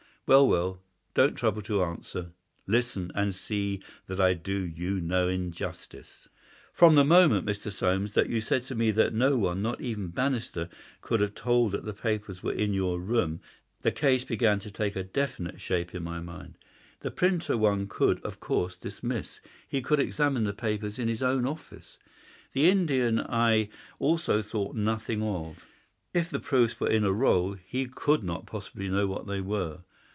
Well, well, don't trouble to answer. Listen, and see that I do you no injustice. "From the moment, Mr. Soames, that you said to me that no one, not even Bannister, could have told that the papers were in your room, the case began to take a definite shape in my mind. The printer one could, of course, dismiss. He could examine the papers in his own office. The Indian I also thought nothing of. If the proofs were in a roll he could not possibly know what they were.